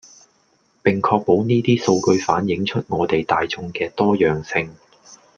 並確保呢啲數據反映出我地大衆既多樣性